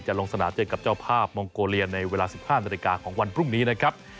ลงสนามเจอกับเจ้าภาพมองโกเลียในเวลา๑๕นาฬิกาของวันพรุ่งนี้นะครับ